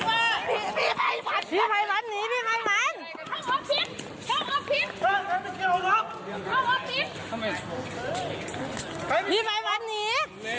บอกมึงอยากเน่นะ